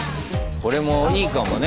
これもいいかもね